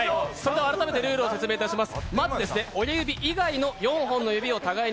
改めてルールを説明します。